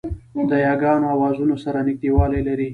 د یاګانو آوازونه سره نږدېوالی لري